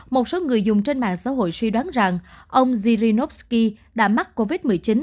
một số người dùng trên mạng xã hội suy đoán rằng ông zyrinovsky đã mắc covid một mươi chín